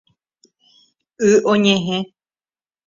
Y oñehẽ